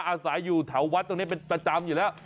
อาสายอยู่ถาววัดตรงนี้ประจำอยู่แล้ว